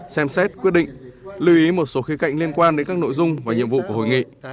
xem xét quyết định lưu ý một số khí cạnh liên quan đến các nội dung và nhiệm vụ của hội nghị